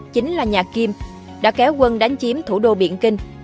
chính là nhà kim đã kéo quân đánh chiếm thủ đô biển kinh